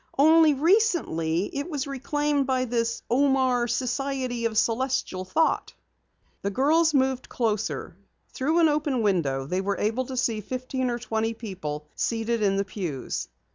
Only recently it was reclaimed by this Omar Society of Celestial Thought." The girls moved closer. Through an open window they were able to see fifteen or twenty people seated in the pews.